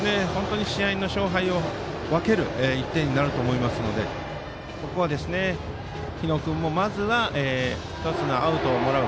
非常に試合の勝敗を分ける１点になると思いますのでここは日野君もまずは１つのアウトをもらう。